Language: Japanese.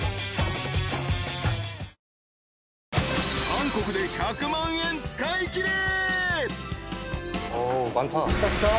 ［韓国で１００万円使いきれ］